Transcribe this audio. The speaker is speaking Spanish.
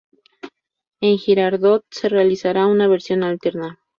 En Girardot se realizara una versión alterna.